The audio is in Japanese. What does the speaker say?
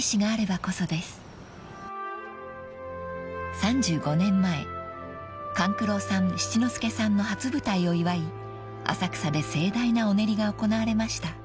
［３５年前勘九郎さん七之助さんの初舞台を祝い浅草で盛大なお練りが行われました］